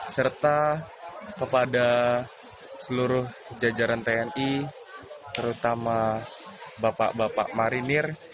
serta kepada seluruh jajaran tni terutama bapak bapak marinir